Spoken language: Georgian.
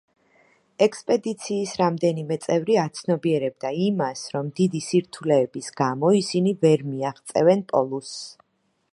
ექსპედიციის რამდენიმე წევრი აცნობიერებდა იმას, რომ დიდი სირთულეების გამო ისინი ვერ მიაღწევენ პოლუსს.